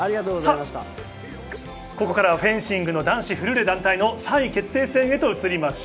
ここからはフェンシングの男子フルーレ団体の３位決定戦へと移ります。